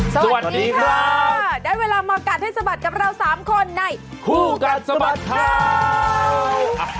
สวัสดีค่ะได้เวลามากัดให้สะบัดกับเรา๓คนในคู่กัดสะบัดข่าว